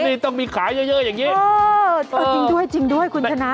นี่ต้องมีขายเยอะอย่างนี้จริงด้วยจริงด้วยคุณชนะ